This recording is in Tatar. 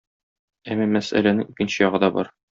Әмма мәсьәләнең икенче ягы да бар.